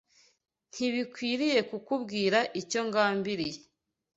Ntibikwiriye kukubwira icyo ngambiriye